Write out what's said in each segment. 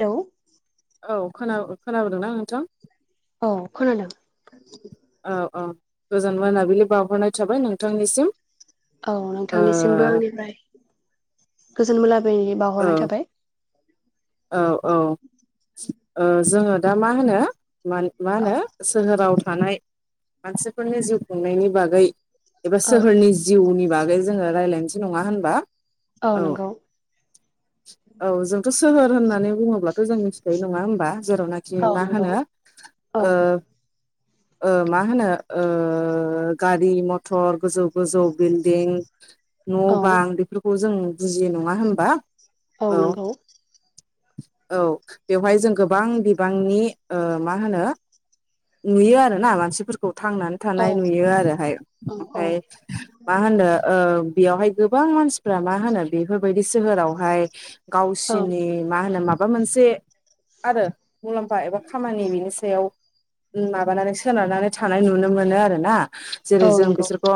Hello औ खोना खोनादोंना नोंथां? अ खोनादों। औ औ गोजोन मोनाबिलि बावहरनाय थाबाय नोंथांनिसिम औ ओ नोंथांनिसिमबो आंनिफ्राय गोजोन मोनाबिलि औ बावहरनाय थाबाय औ औ जोङो ओ दा मा होनो मा औ होनो सोहोराव थानाय मानसिफोरनि जिउ खुंनायनि बागै एबा औ सोहोरनि जिउनि बागै जोङो रायज्लायनोसै नङा होनबा औ नंगौ। औ जोंथ' सोहोर होननानै बुङोब्लाथ' जों मिथिखायो नङा होमबा जेरावनाखि औ मा नंगौ होनो औ मा होनो गारि मथर गोजौ गोजौ बिल्डिं न' औ बां बेफोरखौ जों बुजियो नङा होन औ नंगौ। औ बेवहाय जों गोबां बिबांनि मा होनो नुयो आरो ना मानसिफोरखौ थांनानै औ थानाय नुयो आरोहाय औ औ ओमफ्राय मा होनो बेयावहाय गोबां मानसि फोर मा होनो बेफोरबायदि सोहोरावहाय औ गावसिरनि मा होनो माबा मोनसे आरो मुलाम्फा एबा खामानि बिनि सायाव माबानानै सोनारनानै थानाय नुनो मोनो आरोना जेरै औ जों नंगौ बिसोरखौ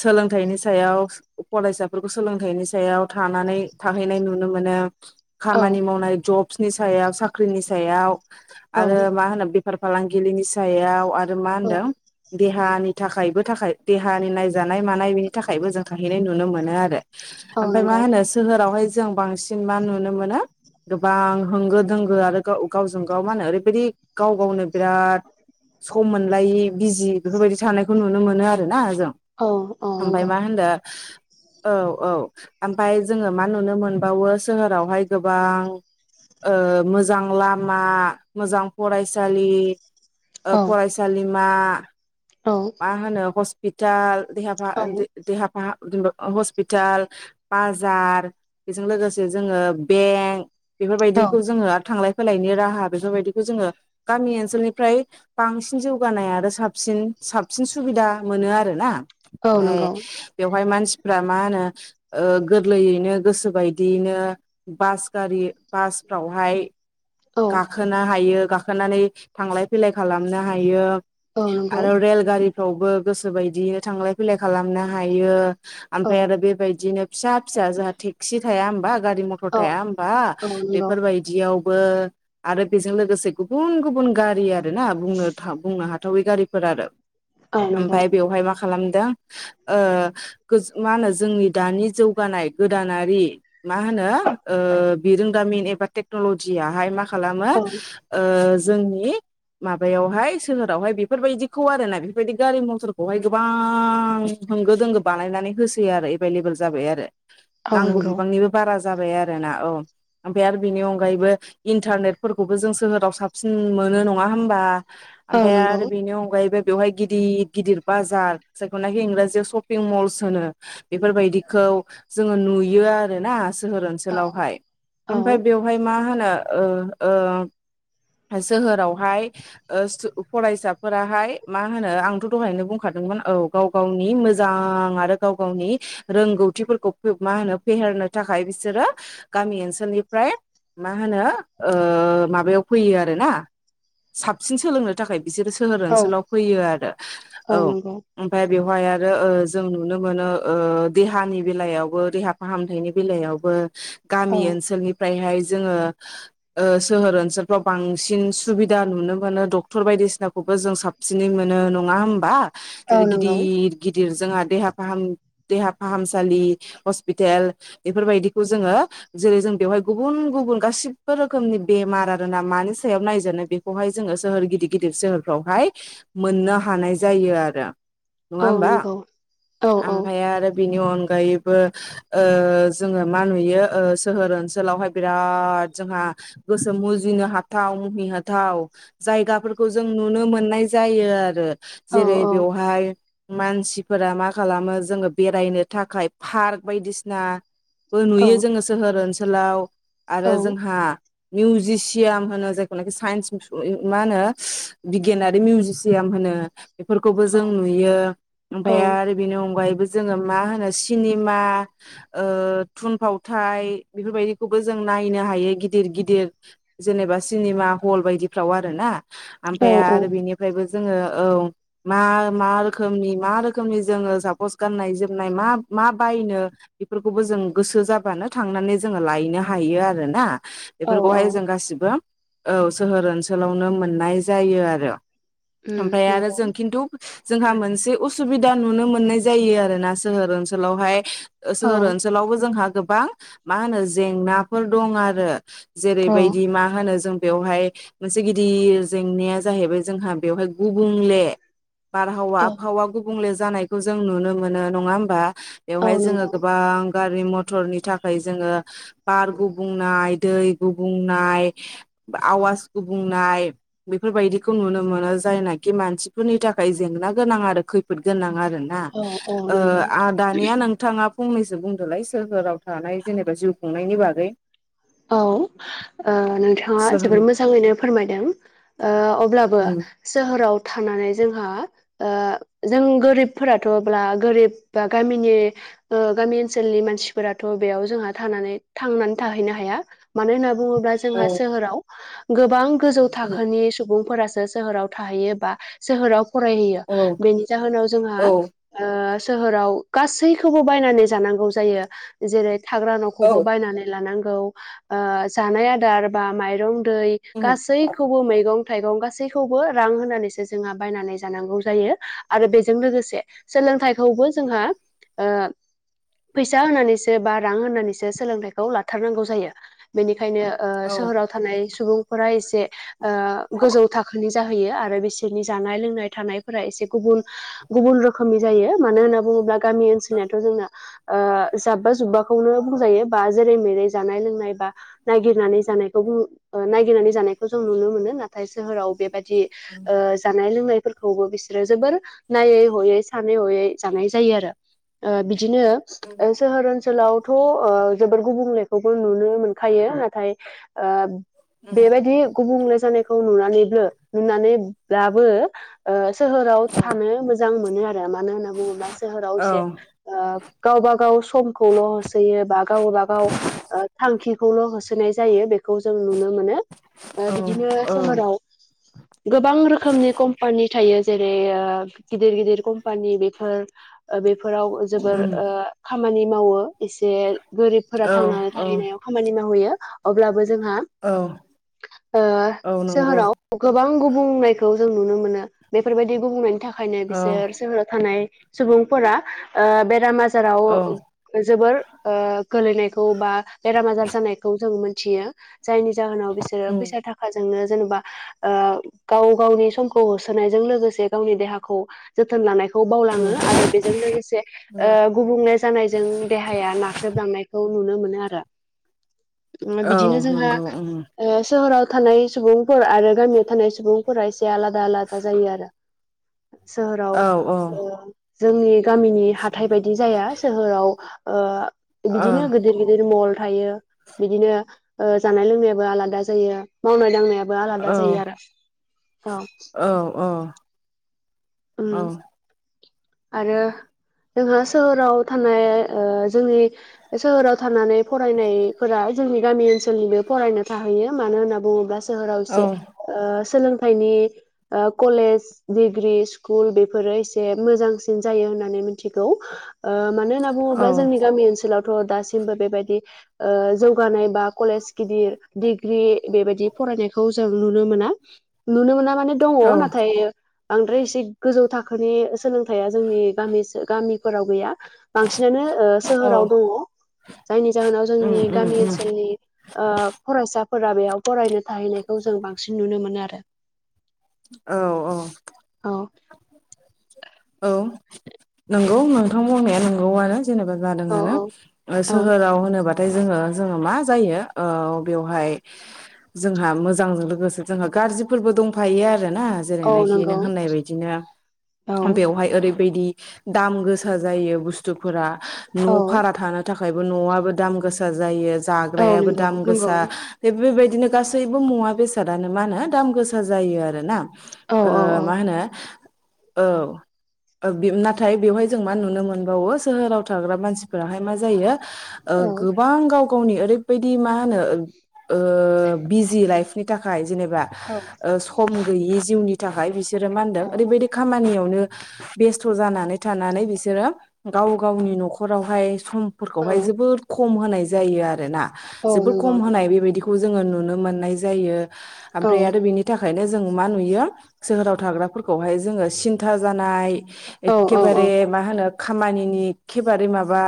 सोलोंथाइनि सायाव फरायसाफोरखौ सोलोंथाइनि सायाव थानो थांनानै थाहैनाय नुनो मोनो औ खामानि मावनाय जब्सनि सायाव साख्रिनि सायाव औ आरो मा होनो बेफार फालांगिनि सायाव आरो मा औ होनदों देहानि थाखायबो थाखाय देहानि नायजानाय मानाय बेनि थाखायबो जों थाहैनाय नुनो मोनो आरो औ ओमफ्राय मा नंगौ होनो नोगोर आवहाय जों बांसिन मा नुनो मोनो गोबां होंगो दोंगो आरो गाव गावजों गाव मा होनो ओरैबायदि गाव गावनो बिराद सम मोनलायि बिजि बेफोरबायदि थानायखौ नुनो मोनो आरोना जों औ औ ओमफ्राय नंगौ मा होनो औ औ ओमफ्राय जोङो मा नुनो मोनबावो सोहोरावहाय गोबां ओ मोजां लामा मोजां फरायसालि औ फरायसालिमा औ मा होनो हस्पिटाल देहाफा देहाफाहा जबा हस्पिटाल बाजार बेजों लोगोसे जोङो बेंक औ बेफोरबायदिखौ जोङो आरो थांलाय होलायनि राहा बेफोरबायदिखौ जोङो गामि ओनसोलनिफ्राय बांसिन जौगानाय आरो साबसिन साबसिन सुबिदा मोनो आरोना औ ओमफ्राय नंगौ बेयाव बेहाय मानसिफ्रा मा होनो गोरलैयैनो गोसोबायदियैनो बास गारि बासफ्रावहाय औ गाखोनो हायो गाखोनानै थांलाय फैलाय खालामनो हायो औ नंगौ आरो रेलगारिफ्रावबो गोसो बायदि थांलाय फैलाय खालामनो हायो औ ओमफ्राय आरो बेबायदिनो फिसा फिसा जोंहा टेक्सि थाया होब गारि मथर औ थाया होनबा औ नंगौ बेफोरबायदियावबो आरो बेजों लोगोसे गुबुन गुबुन गारि आरो ना बुंनो बुंनो हाथावै गारिफोर आरो औ नंगौ ओमफाय बेवहाय मा खालामदों ओ मा होनो जोंनि दानि जौगानाय गोदानारि मा होनो बिरोंदामिन एबा टेक्न'लजि आहाय मा औ खालामो जोंनि माबायावहाय सोहोरावहाय बेफोरबायदिखौ आरो ना बेफोरबायदि गारि मथरखौहाय गोबां होंगो दोंगो बानायनानै होसोयो आरो एभेलेबल जाबाय आरो औ नांगौ नंगौ बिबांनिबो बारा जाबाय आरो ना औ ओमफ्राय आरो बेनि अनगायैबो इन्टारनेटफोरखौबो जों सोहोराव साबसिन मोनो नङा होमबा औ ओमफ्राय नंगौ आरो बेनि अनगायैबो बेवहाय गिदिर गिदिर बाजार जायखौनाखि इंराजियाव शपिं मल्स होनो बेफोरबायदिखौ जोङो नुयो आरोना सोहोर औ ओनसोलावहाय औ ओमफ्राय बेवहाय मा होनो ओ ओ सोहोरावहाय फरायसाफोराहाय मा होनो आंथ' दहायनो बुंखादों औ गाव गावनि मोजां आरो गाव गावनि रोंगौथिफोरखौ मा होनो फेहेर होननो थाखाय बिसोरो गामि ओनसोलनिफ्राय मा होनो ओ माबायाव फैयो आरो ना साबसिन सोलोंनो थाखाय बिसोरो सोहोर औ ओनसोलाव फैयो आरो औ ओमफ्राय बेवहाय आरो ओ जों नुनो मोनो देहानि बेलायावबो देहा फाहामथायनि बेलायावबो गामि औ ओनसोलनिफ्रायहाय जोङो सोहोर ओनसोलफ्राव बांसिन सुबिदा नुनो मोनो डक्टर बायदिसिनाखौबो जों साबसिनै मोनो नोंगा होमबा औ जेरै गिदिर नंगौ गिदिर गिदिर जोंहा देहा फाम देहा फाहामसालि हस्पिटेल बेफोरबायदिखौ जोङो जेरै जों बेवहाय गुबुन गुबुन गासिब बे रोखोमनि बेमार आरो ना मानि सायाव नायजानो बेखौहाय जोङो सोहोर गिदिर गिदिर सोहोरफ्रावहाय मोननो हानाय जायो आरो नङा औ होमबा नंगौ औ ओमफ्राय आरो बेनि अनगा अनगायैबो ओ जोङो मा नुयो ओ सोहोर ओनसोलावहाय बिराद जोंहा गोसो मुजिनो हाथाव मुहिहाथाव जायगाफोरखौ जों नुनो मोननाय जायो। जायो आरो औ जेरै बेवहाय मानसिफोरा मा खालामो जोङो बेरायनो थाखाय पार्क बायदिसिना बो औ नुयो जोङो सोहोर ओनसोलाव औ हा मिउजिसियाम होनो जायखौनाखि साइन्स मा होनो बिगियानारि मिउजिसियाम होनो। नो बेफोरखौबो जों नुयो औ ओनफ्राइ आरो बिनि अनगायैबो जोङो मा होनो सिनिमा थुनफावथाय बेफोरबायदिखौबो जों नायो बायनो हायो गिदिर गिदिर जेनेबा सिनिमा हल बायदिफ्राव आरो ना औ ओमफ्राय आरो बेनिफ्रायबो जोङो औ मा मा रोखोमनि मा रोखोमनि जोङो सापस गाननाय जोमनाय मा मा बायनो बेफोरखौबो जों गोसो जाबानो थांनानै जोङो लायनो हायो आरो आरोना औ औ बेफोरखौहाय जों गासिबो औ सोहोर ओनसोलावनो मोननाय जायो आरो उम ओमफ्राय आरो नंगौ जों खिन्थु जोंहा मोनसे उसुबि दा नुनो मोननाय जायो आरोना सोहोर ओनसोलावहाय औ सोहोर ओनसोलावबो जोंहा गोबां मा होनो जेंनाफोर दं आरो औ जेरैबायदि मा होनो जों बेवहाय मोनसे गिदिर जेंनाया जाहैबाय जोंहा बेवहाय गुबुंले बारहावा औ आबहावा गुबुंले जानायखौ जों नुनो मोनो नङा होमबा। औ बेवहाय जोङो नंगौ गोबां गारि मथरनि थाखाय जोङो बार गुबुंनाय दै गुबुंनाय आवाज गुबुंनाय बेफोरबायदिखौ नुनो मोनो जायनाखि मानसिफोरनि थाखाय जेंना गोनां आरो खैफोद गोनां आरोना औ औ नंगौ दानिया नोंथाङा फंनैसो बुंदोंलाय सोरहोराव थानाय जेनेबा जिउ खुंनायनि बागै। औ औ नोंथाङा जोबोर सोहोरनि मोजाङैनो फोरमायदों ओ अब्लाबो उम सोहोराव थां थानानै जोंहा जों गोरिबफोराथ' अब्ला गोरिब बा गामिनि गामि ओनसोलनि मानसिफोराथ' बेयाव जोंहा थानानै थांनानै थाहैनो हा या मानो होनना बुङोब्ला औ जोंहा सोहोराव गोबां गोजौ थाखोनि सुबुंफोरा सोहोराव थैयो बा सोहोराव फरायहैयो औ बेनि जाहोनाव जोंहा औ सोहोराव गासैखौबो बायनानै जानांगौ जायो जेरै थाग्रा औ न'खौबो बायनानै लानां गौ ओ जानाय आदार बा माइरं दै उम गासैखौबो मैगं थाइगं गासैखौबो रां होनानैसो जोंहा बायनानै जांगौ जायो आरो बेजों लोगोसे सोलोंथाइखौबो जोंहा ओ फैसा होनानैसो बा रां होनानैसो सोलोंथाइखौ लाथारनांगौ जायो। बेनिखायनो ओ औ सोहोराव थानाय सुबुंफोरा एसे गोजौ थाखोनि जाहैयो आरो बिसोरनि जानाय लोंनाय थानायफोरा एसे गुबुन गुबुन रोखोमनि जायो। मानो होनना बुङोब्ला गामि ओनसोलनिथ' जोंना जाब्बा जुब्बा बुंजायो बा जेरै मेरै जानाय लोंनाय बा नागिर नानै जानायखौ जों नुनो मोनो नाथाय सोहोराव बेबायदि जानाय लोंनायफोर खौबो बिसोरो जोबोर नायै हयै सानै हयै जानाय जायो आरो ओ बि दिनो उम सोहोर ओनसोलावथ' जोबोर गुबुंलेखौबो नुनो खायो नाथाय उम बेबायदि गुबुंले नायखौ नुनानै नुनानैब्लाबो सोहोराव थानो मोजां मोनो आरो मानो होनना बुङोबा औ सोहोरावसे गावब गाव समखौल' होसोयो बा गाव गाबा गाव थांखिखौल' होसोनाय जायो बे खौ जों नुनो मोनो औ बिदिनो सोहोराव गोबां रोखोमनि कम्पानि थायो जेरै गिदिर गिदिर कम्पानि बेफोर बेफोराव जोबोर उम खामानि मावो एसे गोरिबफोरा औ थांनानै औ खामानि मावहैयो अब्लाबो जोंहा औ औ नंगौ सोहोराव गोबां गुबुंनायखौ जों नुनो मोनो बेफोरबायदि गुबुंनायनि थाखायनो औ बिसोर सोहोराव थानाय सुबुंफोरा बेराम आजार औ जाराव जोबोर गोलैनायखौ बा बेराम आजार जानायखौ जों मोनथियो जायनि जाहोनाव बिसोरो उम फैसा थाखाजोंनो जेनेबा गाव गावनि समखौ होसोनायजों लोगोसे गावनि देहाखौ जोथोन लानायखौ खौ उम बावलाङो आरो बेजों लोगोसे गुबुंले जानायजों देहाया नाख्रेबलांनायखौ नुनो मोनो आरो औ बिदिनो जोंहा नंगौ उम सोहोराव थानाय सुबुंफोर आरो गामियाव थानाय सुबुंफोरा एसे आलादा आलादा जायो आरो सोहोराव औ औ जोंनि गामिनि हाथाइ बायदि जाया सोहोराव ओ बिदिनो गिदिर गिदिर मल बिदिनो जानाय लोंनाय आबो आलादा जायो मावनाय दांनाया बो आलादा औ जायो आरो औ औ उम औ आरो जोंहा सोहोराव थानाय जोंनि सोहोराव थानानै फरायनायफोरा जोंनि गामि ओनसोलनिबो फरायनो थाहैयो मानो होनना बुङोब्ला सोहोराव एसे सोलोंथाइनि कलेज डिग्रि स्कुल बेफोरो एसे मोजांसिन जायो होननानै मिथिगौ मानो होनना बुङोब्ला जोंनि गामि ओनसोलाव दासिमबो बेबायदि जौगानाय बा कलेज गिदिर डिग्रि बेबायदि फरायनायखौ जों नुनो मोना नुनो मोना माने दङ नाथाय बांद्राय एसे गोजौ थाखोनि सोलोंथाइया जोंनि गामि गामि फोराव गैया बांसिनानो सोहोराव दङ जायनि जाहोनाव औ जोंनि गामि ओनसोलनि ओ फरायसा फोरा बेयाव फरायनो थाहैनायखौ जों बांसिन नुनो मोनो आरो औ औ औ औ नंगौ नोंथां बुंनाया नंगौ आनो जादों औ आनो औ सोहोराव होनोबा नाथाय जोङो जोङो मा जायो बेवहाय जोंहा मोजांजों लोगोसे जों गाज्रिफोरबो दं थाफायो आरो ना औ जेरैनाखि नंगौ नों होननाय बादिनो औ बेवहाय ओरैबायदि दाम गोसा जायो बुस्थुफोरा औ न' भारा थानो थाखाय थाखायबो न'आबो दाम गोसा जायो औ जाग्रायाबो नंगौ दाम नंगौ गोसा बेबायदि बिदिनो गासैबो मुवा बेसादानो मा होनो दाम गोसा जायो आरो ना औ औ औ मा होनो औ नाथाय बेवहाय जों मा नुनो मोनबावो सोहोराव थाग्रा मानसिफोराहाय मा जायो ओ औ गोबां गाव गावनि ओरैबायदि मा होनो ओ बिजि लाइफनि थाखाय जेनेबा ओ सम गैयि जिउनि थाखाय बिसोरो मा होनदों ओरैबायदि खामानियावनो बेस्थ' जानानै थानानै बिसोरो गाव गावनि न'खरावहाय सम औ फोरखौहाय जोबोर खम होनाय जायो आरोना औ जोबोर खम नंगौ नंगौ होनाय बेबायदिखौ जोङो नुनो मोननाय जायो औ ओमफ्राय आरो बिनि खायनो जों मा नुयो सोहोराव थाग्राफोरखौहाय जोङो सिन्था जानाय औ औ औ एखेबारे मा होनो खामानिनि एखेबारे माबा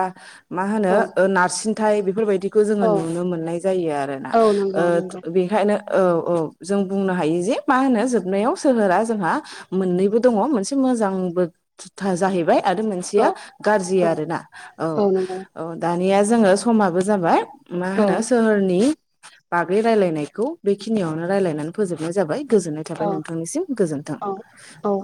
मा औ होनो नारसिनथाय बेफोरबायदि खो जोङो औ नुनो मोननाय जायो आरोना औ ओ नंगौ नंगौ बेनखायनो औ औ जों बुंनो हायो जे मा होनो जोबनायाव सोहोरा जोंहा मोननैबो दङ' मोनसे मोजांबोथा जाहैबाय। आरो मोनसेया औ गाज्रि औ आरोना। औ औ। दा निया जोङो समाबो जाबाय मा औ होनो सोहोरनि बागै रायलायनायखौ बेखिनियावनो रायलायनानै फोजोबनाय जाबाय। गोजोननाय थाबाय औ नोंथांनिसिम गोजोनथों। औ औ